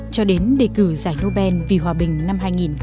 cho đến đề cử giải nobel vì hòa bình năm hai nghìn một mươi chín